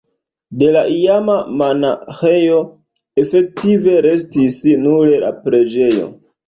De la iama monaĥejo efektive restis nur la preĝejo.